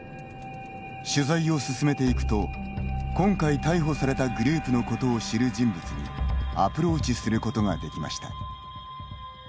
取材を進めていくと今回逮捕されたグループのことを知る人物にアプローチすることができました。